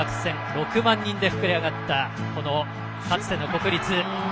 ６万人で膨れ上がったかつての国立。